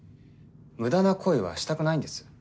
無駄な行為はしたくないんです。